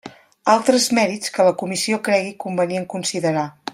Altres mèrits que la Comissió cregui convenient considerar.